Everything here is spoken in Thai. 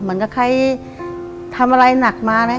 เหมือนกับใครทำอะไรหนักมานะ